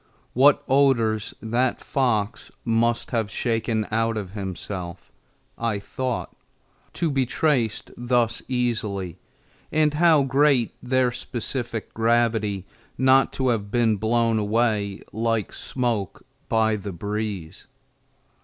What odors that fox must have shaken out of himself, I thought, to be traced thus easily, and how great their specific gravity not to have been blown away like smoke by the breeze!